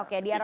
oke di arah